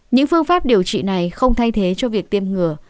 những phương pháp điều trị này không thay thế cho việc tiêm ngừa